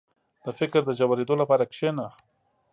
• د فکر د ژورېدو لپاره کښېنه.